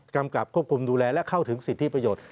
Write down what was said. กำกับควบคุมดูแลและเข้าถึงสิทธิประโยชน์